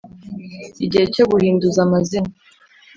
Igihe cyo guhinduza amazina